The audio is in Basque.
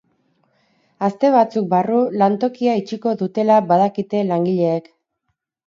Aste batzuk barru lantokia itxiko dutela badakite langileek.